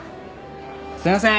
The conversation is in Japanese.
すいませーん。